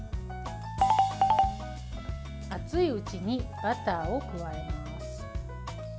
熱いうちにバターを加えます。